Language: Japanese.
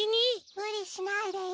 むりしないでいい。